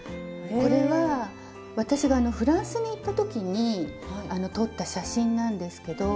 これは私がフランスに行った時に撮った写真なんですけど。